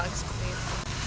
jadi kita harus berhasil